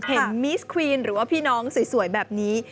มิสควีนหรือว่าพี่น้องสวยแบบนี้